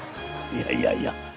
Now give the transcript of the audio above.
いやいやいや